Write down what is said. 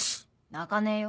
泣かねえよ。